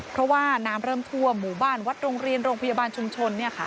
เพราะว่าน้ำเริ่มทั่วหมู่บ้านวัดโรงเรียนโรงพยาบาลชุมชน